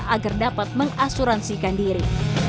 agar dapat mengasuransikan diri